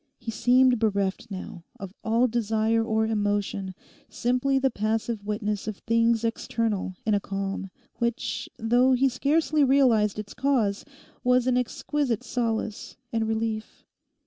He seemed bereft now of all desire or emotion, simply the passive witness of things external in a calm which, though he scarcely realised its cause, was an exquisite solace and relief.